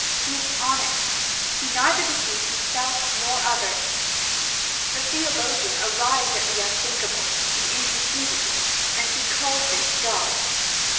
He is honest. He neither deceives himself nor others. The theologian arrives at the unthinkable, the inconceivable, and he calls this God.